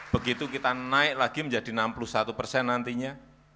begitu kita naik lagi menjadi enam puluh satu persen nantinya